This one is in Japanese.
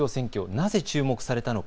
なぜ注目されたのか